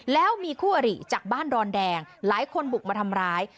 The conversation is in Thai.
แล้วมีคู่อริจากบ้านดอนแดงหลายคนบุกมาทำร้าย